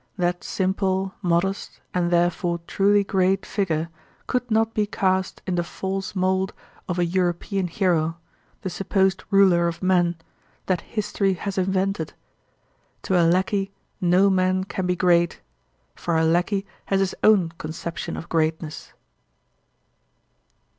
That simple, modest, and therefore truly great, figure could not be cast in the false mold of a European hero—the supposed ruler of men—that history has invented. To a lackey no man can be great, for a lackey has his own conception of greatness.